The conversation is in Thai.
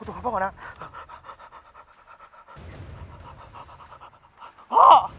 อะไรวะไอ้ปองมีอะไรเกิดขึ้น